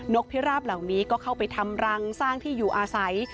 กพิราบเหล่านี้ก็เข้าไปทำรังสร้างที่อยู่อาศัย